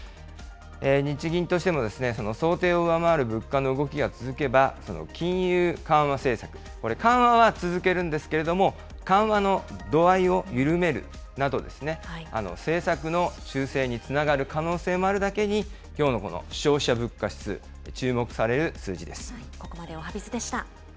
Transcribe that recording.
日銀としても、その想定を上回る物価の動きが続けば、金融緩和政策、これ、緩和は続けるんですけれども、緩和の度合いを緩めるなど、政策の修正につながる可能性もあるだけに、きょうのこの消費者物価指数、注目される数字です。